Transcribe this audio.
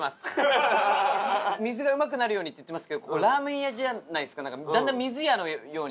水がうまくなるようにって言ってますけどここラーメン屋じゃないですか。